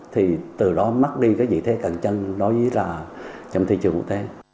thì từ đó mắc đi cái vị thế cẩn trân đối với là trong thị trường quốc tế